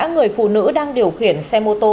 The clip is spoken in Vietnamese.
người phụ nữ đang điều khiển xe mô tô